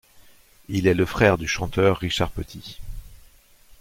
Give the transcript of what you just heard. Il est le frère du chanteur Richard Petit.